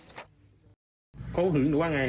เขาหึงหรือว่าไง